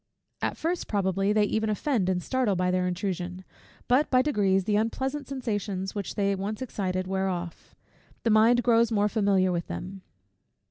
At first, probably, they even offend and startle by their intrusion: but by degrees the unpleasant sensations which they once excited wear off: the mind grows more familiar with them.